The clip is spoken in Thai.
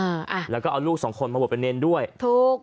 อ่าอ่ะแล้วก็เอาลูกสองคนมาบวชเป็นเนรด้วยถูก